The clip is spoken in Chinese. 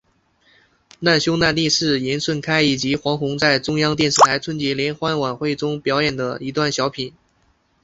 难兄难弟是严顺开以及黄宏在中央电视台春节联欢晚会中所表演的一段小品。